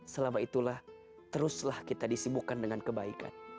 selama itulah teruslah kita disibukkan dengan kebaikan